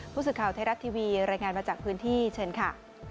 ผู้สื่อข่าวไทยรัฐทีวีรายงานมาจากพื้นที่เชิญค่ะ